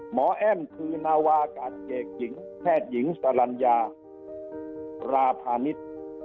หมอแอ้มคือนาวากาศเกกหญิงแพทย์หญิงสรรญาราภานิษฐ์